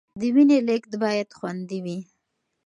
د وینې لیږد باید خوندي وي.